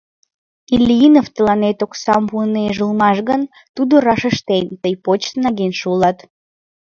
Ильинов тыланет оксам пуынеже улмаш гын, тудо раш ыштен — тый почтын агентше улат.